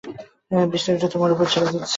বিস্তারিতটা তোমার উপর ছেড়ে দিচ্ছি।